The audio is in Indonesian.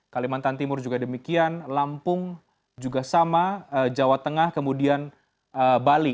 kalimantan timur juga demikian lampung juga sama jawa tengah kemudian bali